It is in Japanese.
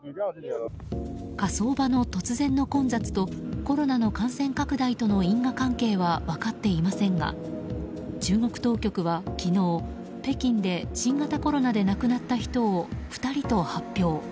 火葬場の突然の混雑とコロナの感染拡大との因果関係は分かっていませんが中国当局は昨日北京で新型コロナで亡くなった人を２人と発表。